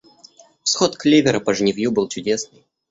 Всход клевера по жнивью был чудесный.